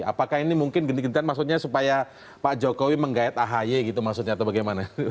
apakah ini mungkin genti gentian maksudnya supaya pak jokowi menggayat ahy gitu maksudnya atau bagaimana